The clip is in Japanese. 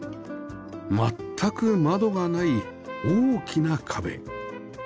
全く窓がない大きな壁